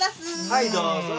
はいどうも。